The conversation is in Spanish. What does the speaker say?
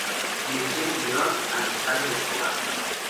Dirección y guion: Alexander Escobar.